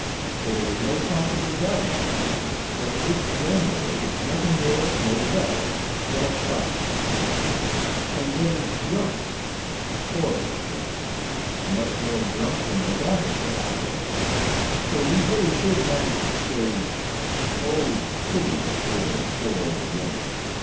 For there was no possible doubt about the matter, that this grandmother was nothing more nor less than a prostitute. And then, drunk! Horribly drunk, much more drunk than Ledantec and I were, for we really could manage to say: "Oh! Pity the poor, poor old woman!"